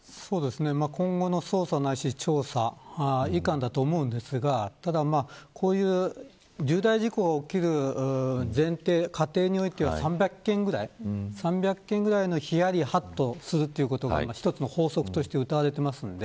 今後の調査、ないし捜査いかんだと思いますがこういう重大事故が起きる前提、過程においては３００件くらいヒヤリハットするということが法則として、うたわれています。